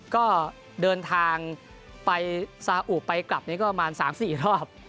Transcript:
ก็เดินทางไปซาอุไปกลับก็ประมาณ๓๔รอบ